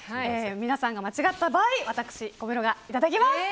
皆さんが間違えた場合私、小室がいただきます。